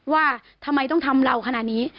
ว่าทำไมต้องทำเราขนาดนี้